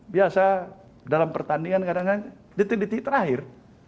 biasa dalam pertandingan kadang kadang detik detik terakhir